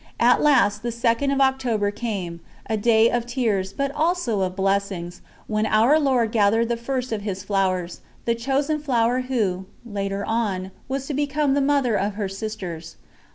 At last the 2nd of October came a day of tears, but also of blessings, when Our Lord gathered the first of His flowers, the chosen flower who, later on, was to become the Mother of her sisters.